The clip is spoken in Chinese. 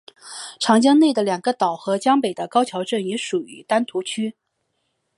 长江内的两个岛和江北的高桥镇也属于丹徒区。